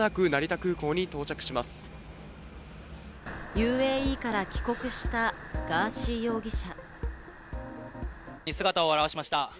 ＵＡＥから帰国したガーシー容疑者。